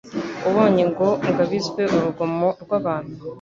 Ubonye ngo ngabizwe, Urugomo rw’abahutu,